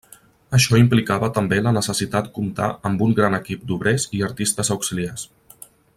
Això implicava també la necessitat comptar amb un gran equip d'obrers i artistes auxiliars.